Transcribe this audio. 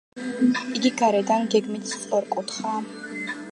იგი გარედან გეგმით სწორკუთხაა.